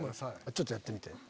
ちょっとやってみて。